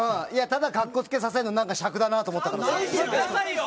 いや、ただかっこつけさせんの、なんかしゃくだなと思ったからさ。